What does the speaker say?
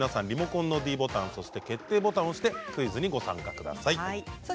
リモコンのｄボタンそして決定ボタンを押してクイズにご参加ください。